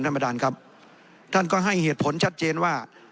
ท่านประธานครับท่านก็ให้เหตุผลชัดเจนว่า